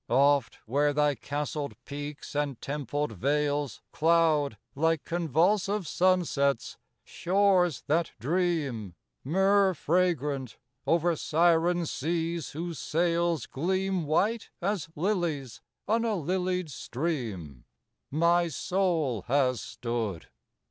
Oft, where thy castled peaks and templed vales Cloud like convulsive sunsets shores that dream, Myrrh fragrant, over siren seas whose sails Gleam white as lilies on a lilied stream, My soul has stood.